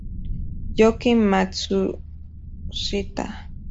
Yuki Matsushita